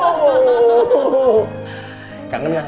hai silahkan duduk mari